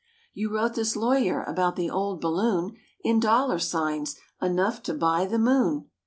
You wrote this lawyer about the old balloon In dollar signs enough to buy the moon."